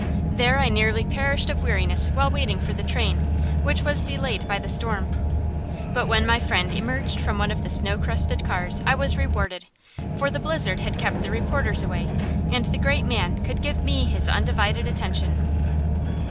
There I nearly perished of weariness while waiting for the train, which was delayed by the storm. But when my friend emerged from one of the snow crusted cars I was rewarded; for the blizzard had kept the reporters away, and the great man could give me his undivided attention.